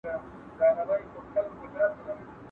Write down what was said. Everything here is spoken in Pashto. د بل غم تر واوري سوړ دئ.